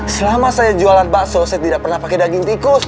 selama saya jualan bakso saya tidak pernah pakai daging tikus